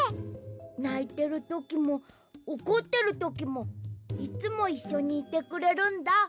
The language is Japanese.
ないてるときもおこってるときもいつもいっしょにいてくれるんだ。